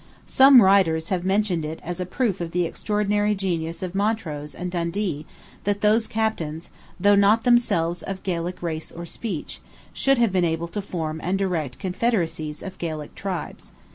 Some writers have mentioned it as a proof of the extraordinary genius of Montrose and Dundee that those captains, though not themselves of Gaelic race or speech, should have been able to form and direct confederacies of Gaelic tribes.